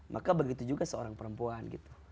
maka begitu juga seorang perempuan gitu